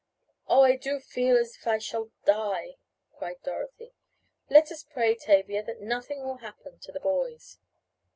"Oh, I do feel as if I shall die!" cried Dorothy. "Let us pray, Tavia, that nothing will happen to the boys!"